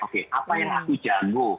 oke apa yang aku jamu